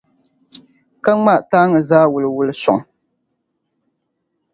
Ka ŋma taaŋa zaa wuliwuli sɔŋ.